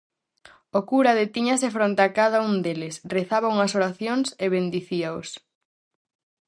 O cura detíñase fronte a cada un deles, rezaba unhas oracións e bendicíaos.